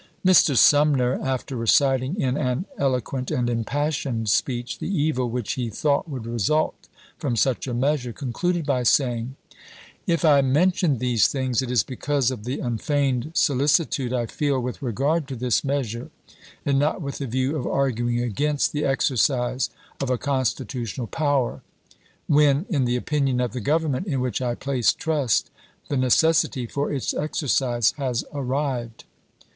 Mr. Sumner, after reciting in an eloquent and impassioned speech the evil which he thought would result from such a measure, concluded by saying; If I mention these things it is because of the unfeigned solicitude I feel with regard to this measure, and not with the view of arguing against the exercise of a constitutional power, when, in the opinion of the Government in which I place trust, the necessity for its exercise has arrived.